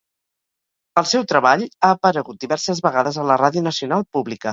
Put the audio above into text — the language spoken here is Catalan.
El seu treball ha aparegut diverses vegades a la ràdio nacional pública.